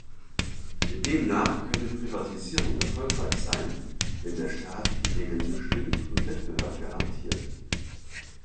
Danach könne Privatisierung erfolgreich sein, wenn der Staat die Regeln bestimmt und Wettbewerb garantiert.